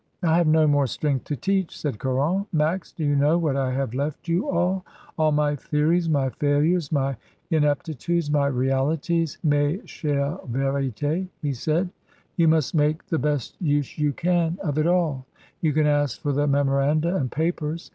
"I have no more strength to teach," said Caron. "Max, do you know that I have left you all? — all my theories, my failures, my ineptitudes, my realities, mes chores viriUs,' he said. "You must make the best use you can of it all. You can ask for the memoranda and papers.